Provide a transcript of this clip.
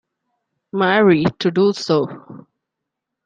Marie to do so.